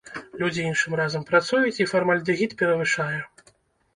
Людзі іншым разам працуюць, і фармальдэгід перавышае.